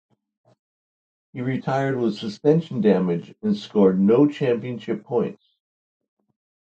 He retired with suspension damage and scored no championship points.